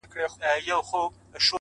• وې نارې د جاله وان شور د بلبلو,